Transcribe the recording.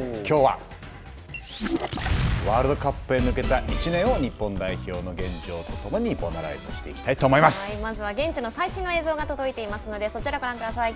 ということで、きょうはワールドカップに向けた１年を日本代表の現状をボナライズしてまずは現地の最新の映像が届いていますのでそちらをご覧ください。